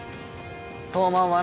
東卍はな